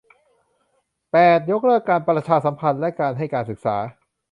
แปด ยกเลิกการประชาสัมพันธ์และการให้การศึกษา